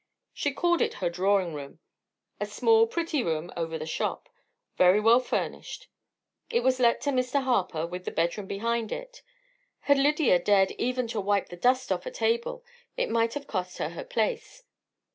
She called it her drawing room a small, pretty room over the shop, very well furnished. It was let to Mr. Harper, with the bedroom behind it. Had Lydia dared even to wipe the dust off a table, it might have cost her her place.